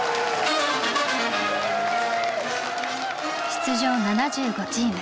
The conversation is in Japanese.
出場７５チーム。